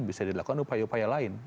bisa dilakukan upaya upaya lain